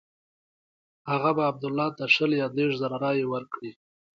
هغه به عبدالله ته شل یا دېرش زره رایې ورکړي.